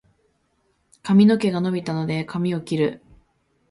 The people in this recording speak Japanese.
髪の毛が伸びたので、髪を切る。